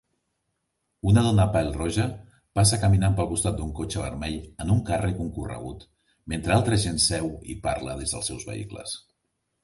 Una dona pèl roja passa caminant pel costat d"un cotxe vermell en un carrer concorregut mentre altra gent seu i parla des dels seus vehicles.